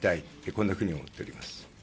こんなふうに思っております。